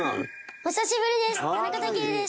お久しぶりです！